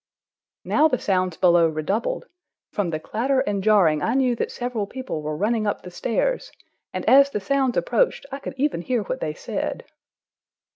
Now the sounds below redoubled: from the clatter and jarring I knew that several people were running up the stairs, and as the sounds approached, I could even hear what they said.